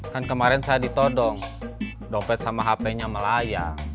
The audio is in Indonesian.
kan kemarin saya ditodong dompet sama hpnya melayang